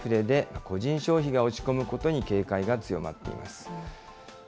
長引くインフレで、個人消費が落ち込むことに警戒が強まっています。